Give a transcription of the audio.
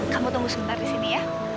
kamu tunggu sebentar di sini ya